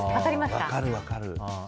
分かる、分かる。